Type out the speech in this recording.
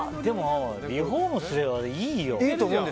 リフォームすればいいよね。